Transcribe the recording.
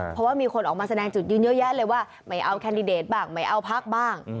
เพราะว่ามีคนออกมาแสดงจุดยืนเยอะแยะเลยว่าไม่เอาแคนดิเดตบ้างไม่เอาพักบ้าง